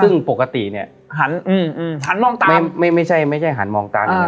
ซึ่งปกติเนี่ยหันอืมอืมหันมองตามไม่ไม่ใช่ไม่ใช่หันมองตาม